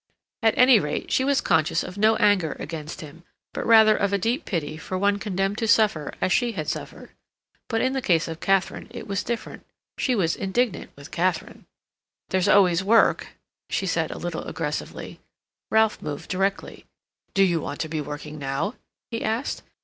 At any rate, she was conscious of no anger against him; but rather of a deep pity for one condemned to suffer as she had suffered. But in the case of Katharine it was different; she was indignant with Katharine. "There's always work," she said, a little aggressively. Ralph moved directly. "Do you want to be working now?" he asked.